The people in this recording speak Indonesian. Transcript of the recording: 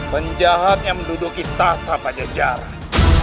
penjahat yang menduduki tasa pada jarak